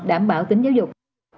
đảm bảo tính giáo dục